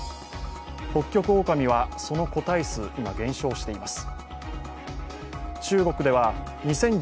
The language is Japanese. ホッキョクオオカミはその個体数、今、減少しています。